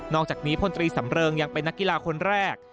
อกจากนี้พลตรีสำเริงยังเป็นนักกีฬาคนแรก